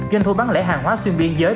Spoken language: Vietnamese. doanh thu bán lễ hàng hóa xuyên biên giới